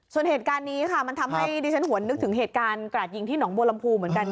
ส่วนเหตุการณ์นี้ค่ะมันทำให้ดิฉันหวนนึกถึงเหตุการณ์กราดยิงที่หนองบัวลำพูเหมือนกัน